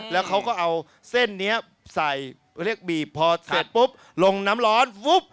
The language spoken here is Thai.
แล้วเขาก็เอาเส้นนี้ใส่เรียกบีบพอเสร็จปุ๊บลงน้ำร้อนปุ๊บ